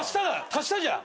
足したじゃん。